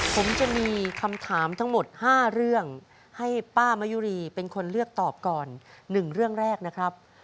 ผมจะมีคำถามทั้งหมด๕เรื่องให้ป้ามะยุรีเป็นคนเลือกตอบก่อน๑เรื่องแรกนะครับ